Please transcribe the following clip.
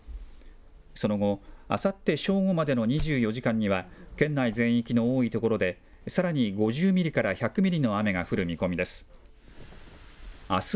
その後、あさって正午までの２４時間には、県内全域の多い所でさらに５０ミリから１００ミリの雨が降る見込みです。